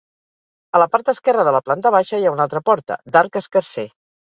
A la part esquerra de la planta baixa hi ha una altra porta, d'arc escarser.